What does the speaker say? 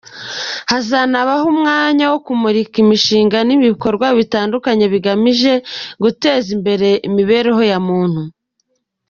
Hazanabaho umwanya wo kumurika imishinga n’ibikorwa bitandukanye bigamije guteza imbere imibereho ya muntu.